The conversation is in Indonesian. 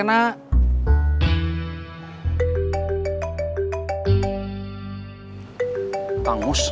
apa perasaan kamu sama serena